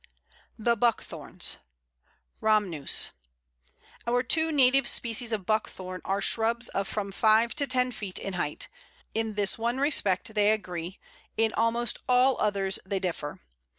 The Buckthorns (Rhamnus). Our two native species of Buckthorn are shrubs of from five to ten feet in height. In this one respect they agree; in almost all others they differ.